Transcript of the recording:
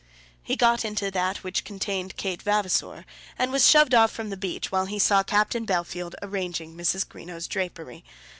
He got into that which contained Kate Vavasor, and was shoved off from the beach while he saw Captain Bellfield arranging Mrs. Greenow's drapery.